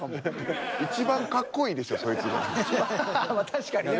確かにな。